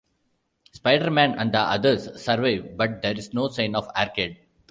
Spider-Man and the others survive but there is no sign of Arcade.